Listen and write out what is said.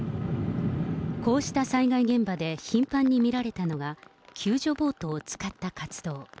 こうした災害現場で頻繁に見られたのが、救助ボートを使った活動。